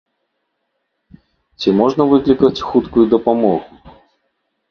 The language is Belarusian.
Ці можна выклікаць хуткую дапамогу?